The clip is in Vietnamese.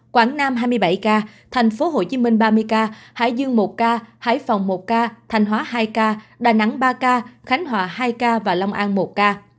quảng nam hai mươi bảy ca thành phố hồ chí minh ba mươi ca hải dương một ca hải phòng một ca thành hóa hai ca đà nẵng ba ca khánh hòa hai ca và long an một ca